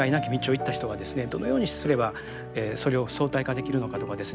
どのようにすればそれを相対化できるのかとかですね